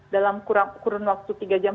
dalam kurun waktu tiga jam